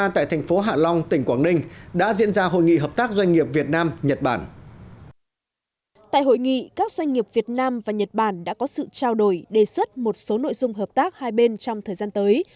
tại hội nghị các doanh nghiệp việt nam và nhật bản đã có sự trao đổi đề xuất một số nội dung hợp tác hai bên trong thời gian tới